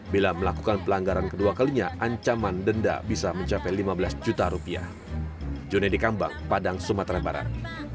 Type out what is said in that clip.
bila melakukan pelanggaran kedua kalinya ancaman denda bisa mencapai lima belas juta rupiah